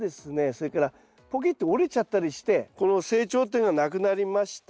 それからポキッて折れちゃったりしてこの成長点がなくなりました。